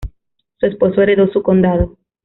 Su esposo heredó su condado.